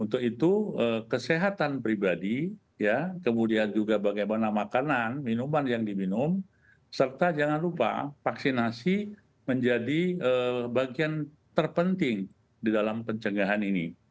untuk itu kesehatan pribadi kemudian juga bagaimana makanan minuman yang diminum serta jangan lupa vaksinasi menjadi bagian terpenting di dalam pencegahan ini